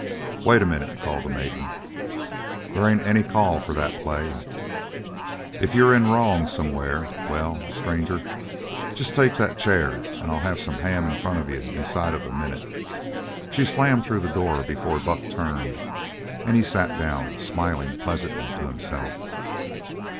"Wait a minute," called the maiden. "There ain't any call for that play. If you're in wrong somewhere well, stranger, just take that chair and I'll have some ham and in front of you inside of a minute." She had slammed through the door before Buck turned, and he sat down, smiling pleasantly to himself.